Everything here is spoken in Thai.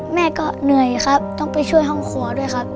แม่ก็เหนื่อยครับต้องไปช่วยห้องครัวด้วยครับ